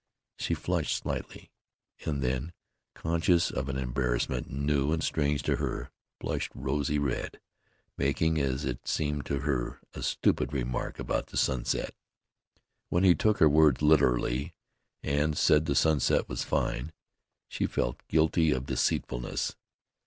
She flushed slightly, and then, conscious of an embarrassment new and strange to her, blushed rosy red, making, as it seemed to her, a stupid remark about the sunset. When he took her words literally, and said the sunset was fine, she felt guilty of deceitfulness.